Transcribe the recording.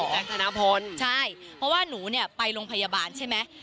แรงสนาพนธ์ใช่เพราะว่าหนูไปโรงพยาบาลใช่ไหม